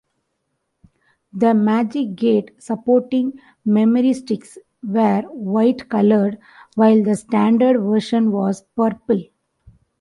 The MagicGate supporting memory sticks were white colored, while the standard version was purple.